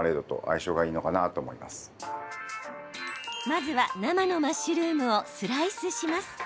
まずは、生のマッシュルームをスライスします。